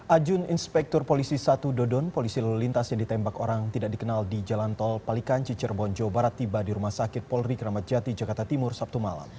ajun inspektur polisi satu dodon polisi lalu lintas yang ditembak orang tidak dikenal di jalan tol palikanci cirebon jawa barat tiba di rumah sakit polri kramat jati jakarta timur sabtu malam